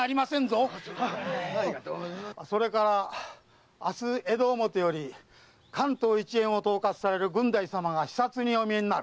それから明日江戸表より関東一円を統括される郡代様が視察にお見えになる。